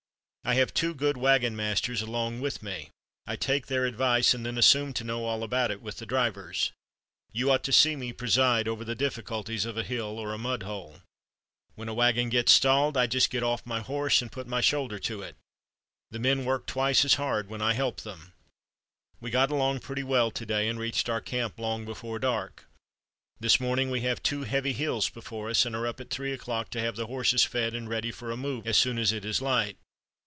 I have two good wagon masters along with me. I take their advice, and then assume to know all about it with the drivers. You ought to see me preside over the difficulties of a hill or a mud hole. When a wagon gets stalled, I just get off my horse and put my shoulder to it. The men work twice as hard when I help them. We got along pretty well to day and reached our camp long before dark. This morning we have two heavy hills before us, and are up at three o'clock to have the horses fed and ready for a move as soon as it is light.